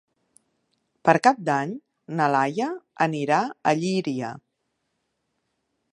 Per Cap d'Any na Laia anirà a Llíria.